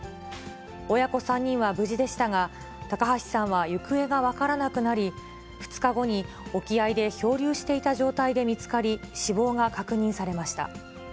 親子３人は無事でしたが、高橋さんは行方が分からなくなり、２日後に沖合で漂流していた状態で見つかり、死亡が確認されました。